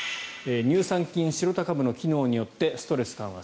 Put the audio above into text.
乳酸菌シロタ株の機能によってストレス緩和